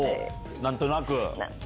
何となく。